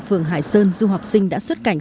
phường hải sơn du học sinh đã xuất cảnh